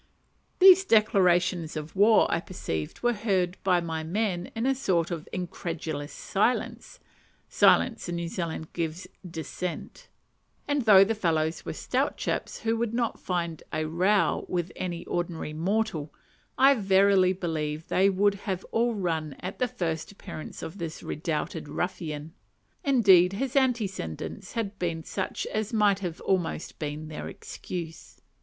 These declarations of war, I perceived, were heard by my men in a sort of incredulous silence (silence in New Zealand gives dis sent), and though the fellows were stout chaps who would not mind a row with any ordinary mortal, I verily believe they would have all run at the first appearance of this redoubted ruffian. Indeed his antecedents had been such as might have almost been their excuse.